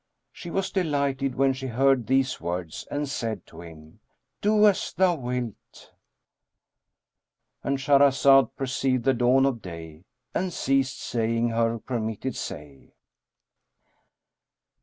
She was delighted when she heard these words and said to him, "Do as thou wilt;"—And Shahrazad perceived the dawn of day and ceased saying her permitted say.